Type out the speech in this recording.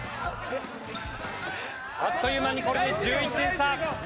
あっという間にこれで１１点差。